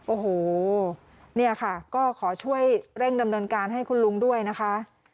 โอ้โหเนี่ยค่ะก็ขอช่วยเร่งดำเนินการให้คุณลุงด้วยนะคะ